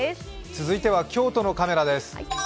続いては京都のカメラです。